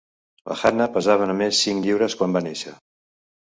La Hannah pesava només cinc lliures quan va néixer.